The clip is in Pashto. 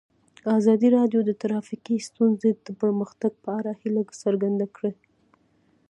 ازادي راډیو د ټرافیکي ستونزې د پرمختګ په اړه هیله څرګنده کړې.